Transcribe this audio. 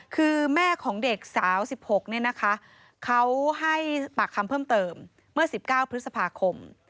คือแม่ของเด็กสาว๑๖เนี่ยนะคะเขาให้ปากคำเพิ่มเติมเมื่อ๑๙พฤษภาคม